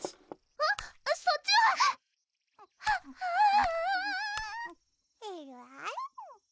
あっそっちはあっあぁ